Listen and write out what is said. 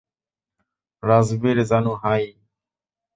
রাজবীর জানু, হাই!